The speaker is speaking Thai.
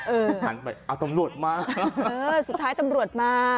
หันไปเอาตำรวจมาเออสุดท้ายตำรวจมา